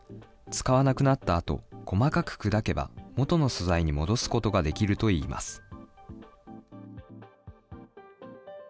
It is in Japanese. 使わなくなったあと、細かく砕けばもとの素材に戻すことができるといいます。